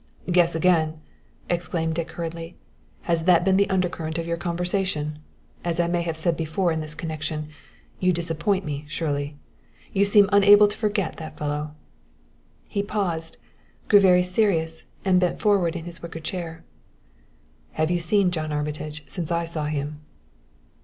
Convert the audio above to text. "Guess again!" exclaimed Dick hurriedly. "Has that been the undercurrent of your conversation? As I may have said before in this connection, you disappoint me, Shirley. You seem unable to forget that fellow." He paused, grew very serious, and bent forward in his wicker chair. "Have you seen John Armitage since I saw him?"